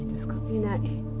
いない。